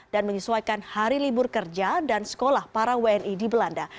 dan menyesuaikan hari libur kerja dan sekolah para wni di belanda